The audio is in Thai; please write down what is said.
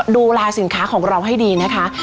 ดูแลสินค้าของเราให้ดีนะคะ